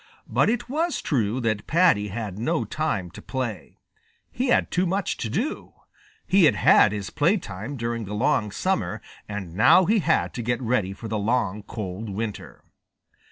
But it was true that Paddy had no time to play. He had too much to do. He had had his playtime during the long summer, and now he had to get ready for the long cold winter.